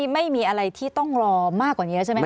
ไม่มีอะไรที่ต้องรอมากกว่านี้ใช่ไหมค